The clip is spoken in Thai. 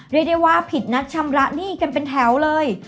เรียกได้ว่าผิดนัดชำระหนี้กันเป็นแถวเลย